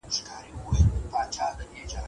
په لاس خط لیکل د پرمختګ د کچي معلومولو وسیله ده.